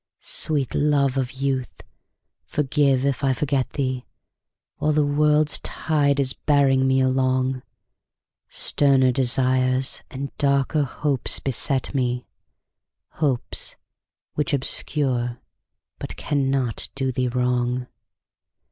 Sweet love of youth, forgive if I forget thee While the world's tide is bearing me along; Sterner desires and darker hopes beset me, Hopes which obscure but cannot do thee wrong.